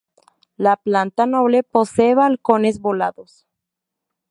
La planta noble posee balcones volados.